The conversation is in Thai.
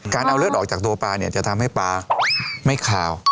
การเอาเลือดออกจากตัวปลาเนี่ยจะทำให้ปลาไม่ขาว